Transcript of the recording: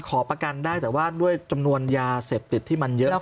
ขอประกันได้แต่ว่าด้วยจำนวนยาเสพติดที่มันเยอะ